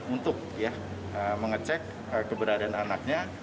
untuk mengecek keberadaan anaknya